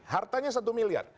hartanya satu miliar